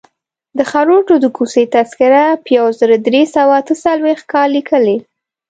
د خروټو د کوڅې تذکره په یو زر درې سوه اته څلویښت کال لیکلې.